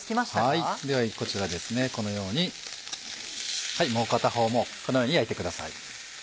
ではこちらこのようにもう片方もこのように焼いてください。